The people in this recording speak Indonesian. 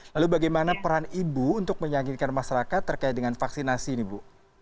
lalu bagaimana peran ibu untuk meyakinkan masyarakat terkait dengan vaksinasi ini bu